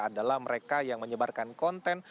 adalah mereka yang menyebarkan konten